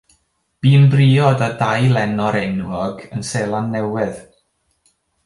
Bu'n briod â dau lenor enwog yn Seland Newydd.